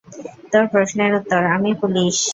তোর প্রশ্নের উত্তর, আমি পুলিশ।